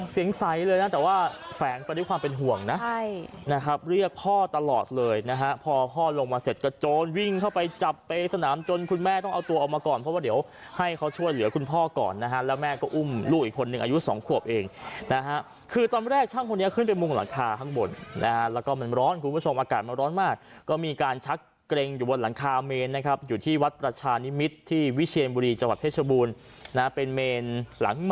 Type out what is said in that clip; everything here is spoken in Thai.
เสียงใสเลยนะแต่ว่าแฝงไปด้วยความเป็นห่วงนะนะครับเรียกพ่อตลอดเลยนะฮะพ่อพ่อลงมาเสร็จกระโจนวิ่งเข้าไปจับไปสนามจนคุณแม่ต้องเอาตัวเอามาก่อนเพราะว่าเดี๋ยวให้เขาช่วยเหลือคุณพ่อก่อนนะฮะแล้วแม่ก็อุ้มลูกอีกคนนึงอายุสองควบเองนะฮะคือตอนแรกช่างคนนี้ขึ้นไปมุมหลังคาข้างบนนะฮะแล้วก็มัน